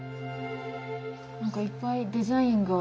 何かいっぱいデザインが。